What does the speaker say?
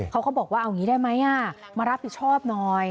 เขาก็บอกว่าเอางี้ได้ไหมมารับผิดชอบหน่อย